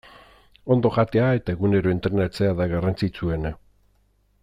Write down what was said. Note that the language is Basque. Ondo jatea eta egunero entrenatzea da garrantzitsuena.